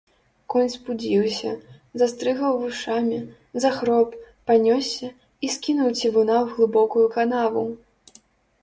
Конь спудзіўся, застрыгаў вушамі, захроп, панёсся і скінуў цівуна ў глыбокую канаву.